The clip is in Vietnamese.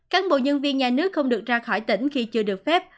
cán bộ nhân viên nhà nước không được ra khỏi tỉnh khi chưa được phép